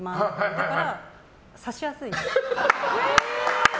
だから、差しやすいんです。